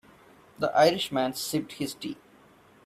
The Irish man sipped his tea.